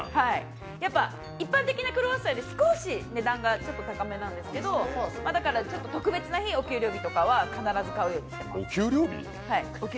一般的なクロワッサンより少し値段が高めなんですけど、ちょっと特別な日、お給料日とかは買うようにしています。